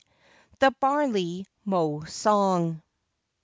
THE BARLEY MOW SONG.